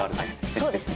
そうですね。